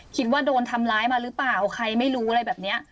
คิดว่าโดนทำร้ายมาหรือเปล่าใครไม่รู้อะไรแบบนี้